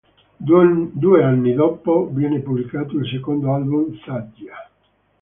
Due anni dopo viene pubblicato il secondo album "Satya".